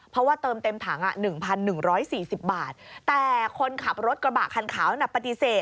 เพราะว่าเติมเต็มถัง๑๑๔๐บาทแต่คนขับรถกระบะคันขาวนั้นปฏิเสธ